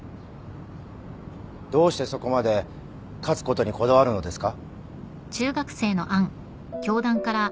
どうしてそこまで勝つことにこだわるのですか？